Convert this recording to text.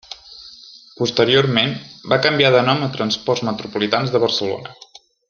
Posteriorment va canviar de nom a Transports Metropolitans de Barcelona.